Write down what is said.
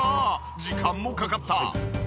時間もかかった。